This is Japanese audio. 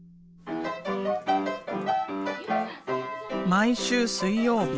毎週水曜日。